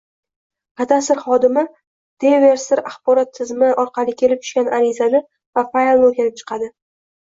- Kadastr xodimi davreyestr axborot tizimi orqali kelib tushgan arizani va faylni o‘rganib chiqadi